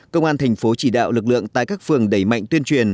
công an thành phố chỉ đạo lực lượng tại các phường đẩy mạnh tuyên truyền